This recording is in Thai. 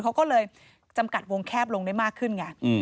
เขาก็เลยจำกัดวงแคบลงได้มากขึ้นไง